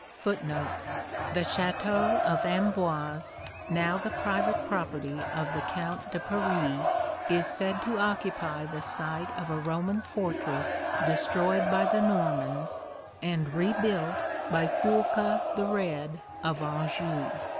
(1) 1 The Château of Amboise, now the private property of the Count de Paris, is said to occupy the site of a Roman fortress destroyed by the Normans and rebuilt by Foulques the Red of Anjou.